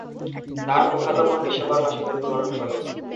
তার ফুফাতো বোন ডিসেম্বর মাসে মৃত্যুবরণ করে।